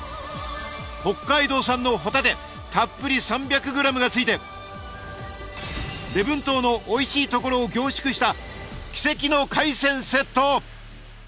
北海道産のホタテたっぷり３００ｇがついて礼文島のおいしいところを凝縮した奇跡の海鮮セット。